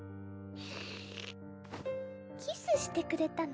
キスしてくれたの。